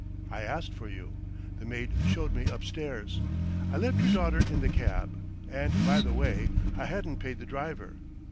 I asked for you. The maid showed me up stairs. I left your daughter in the cab and by the way, I hadn't paid the driver.